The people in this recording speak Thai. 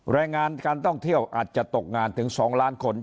แรงงานการท่องเที่ยวอาจจะตกงานถึง๒ล้านคน